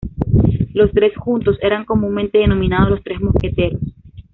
Los tres juntos eran comúnmente denominados "Los Tres Mosqueteros".